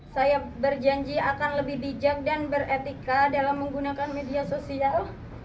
saya berjanji akan lebih bijak dan beretika dalam menggunakan media sosial